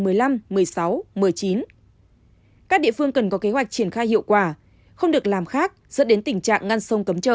các địa phương cần có kế hoạch triển khai hiệu quả không được làm khác dẫn đến tình trạng ngăn sông cấm trời